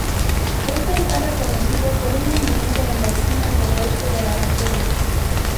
Esto está reconocido por un monumento en la esquina noroeste de la reserva.